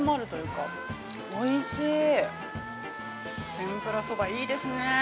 天ぷらそば、いいですねぇ。